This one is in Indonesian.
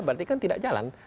berarti kan tidak jalan